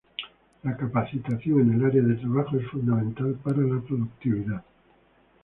La capacitación en el área de trabajo es fundamental para la productividad.